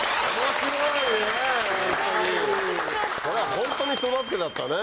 ホントに人助けだったね。